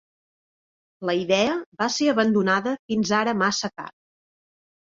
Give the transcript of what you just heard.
La idea va ser abandonada fins ara massa car.